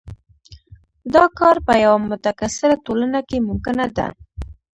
دا کار په یوه متکثره ټولنه کې ممکنه ده.